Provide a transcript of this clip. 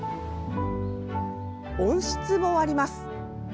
温室もあります。